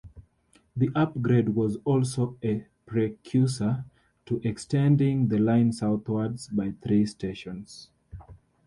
The upgrade was also a precursor to extending the line southwards by three stations.